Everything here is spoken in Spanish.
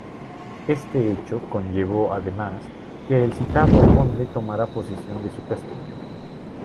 Este hecho conllevó, además, que el citado conde tomara posesión de su castillo.